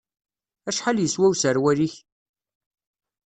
Acḥal yeswa userwal-ik?